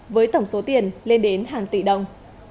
với tổng số tiền lên đến hàng tỷ đồng